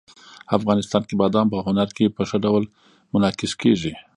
افغانستان کې بادام په هنر کې په ښه ډول منعکس کېږي.